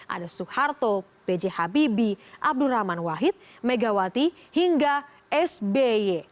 ada suharto b j habibie abdul rahman wahid megawati hingga sby